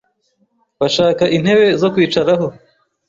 Bashaka intebe zo kwicaraho.